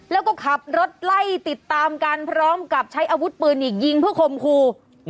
แล้วก็ขับรถไล่ติดตามกันพร้อมกับใช้อาวุธปืนอีกยิงเพื่อคมครู